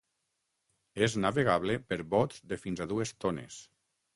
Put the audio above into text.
És navegable per bots de fins a dues tones.